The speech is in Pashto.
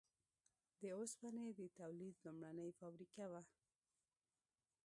د اوسپنې د تولید لومړنۍ فابریکه وه.